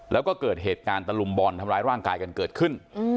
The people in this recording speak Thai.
แล้วก็เกิดเหตุการณ์ตะลุมบอลทำร้ายร่างกายกันเกิดขึ้น